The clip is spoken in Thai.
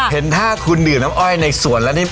เห็นถ้าคุณดื่มน้ำอ้อยในสวนแล้วนี่